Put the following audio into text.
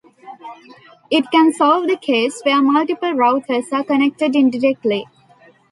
It can solve the case where multiple routers are connected indirectly.